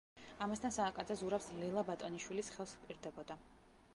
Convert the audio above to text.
ამასთან, სააკაძე ზურაბს ლელა ბატონიშვილის ხელს ჰპირდებოდა.